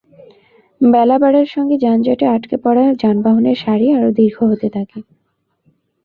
বেলা বাড়ার সঙ্গে যানজটে আটকে পড়া যানবাহনের সারি আরও দীর্ঘ হতে থাকে।